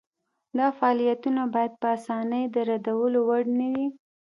دا فعالیتونه باید په اسانۍ د ردولو وړ نه وي.